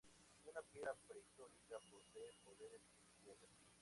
Una piedra prehistórica posee poderes especiales.